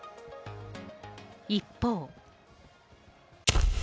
一方。